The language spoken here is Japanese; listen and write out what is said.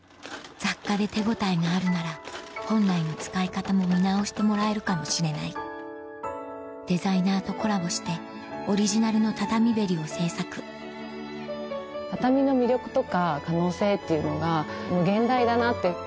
雑貨で手応えがあるなら本来の使い方も見直してもらえるかもしれないデザイナーとコラボしてオリジナルの畳縁を制作畳の魅力とか可能性っていうのが無限大だなって。